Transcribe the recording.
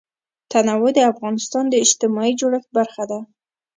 تنوع د افغانستان د اجتماعي جوړښت برخه ده.